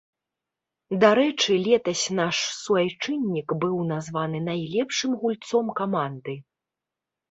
Дарэчы, летась наш суайчыннік быў названы найлепшым гульцом каманды.